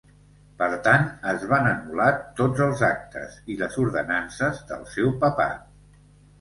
Per tant, es van anul·lar tots els actes i les ordenances del seu papat.